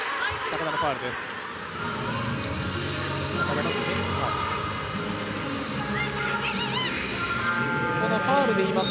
高田がファウルです。